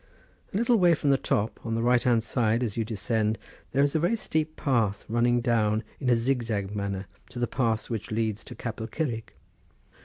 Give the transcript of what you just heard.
A little way from the top, on the right hand side as you descend, there is a very steep path running down in a zigzag manner to the pass which leads to Capel Curig.